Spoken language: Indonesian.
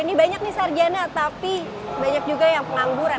ini banyak nih sarjana tapi banyak juga yang pengangguran